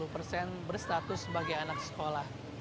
tujuh puluh persen berstatus sebagai anak sekolah